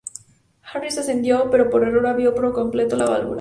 Harris accedió, pero por error abrió por completo la válvula.